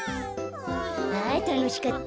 あたのしかった。